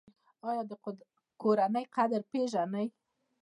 ایا د کورنۍ قدر پیژنئ؟